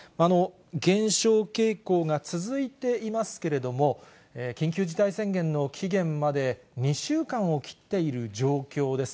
減少傾向が続いていますけれども、緊急事態宣言の期限まで２しゅうかんをきっている状況です。